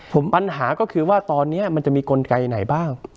ผมปัญหาก็คือว่าตอนนี้มันจะมีกลไกไหนบ้าง